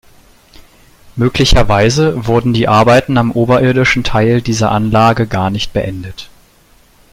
Möglicherweise wurden die Arbeiten am oberirdischen Teil dieser Anlage gar nicht beendet.